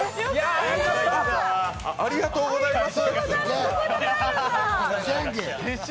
ありがとうございます！